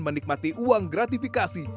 menikmati uang gratifikasi